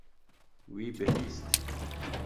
Wî bihîst.